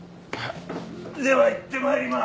では行って参ります。